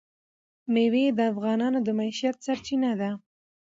مېوې د افغانانو د معیشت سرچینه ده.